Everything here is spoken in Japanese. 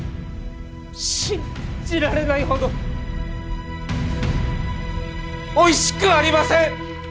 信じられないほどおいしくありません！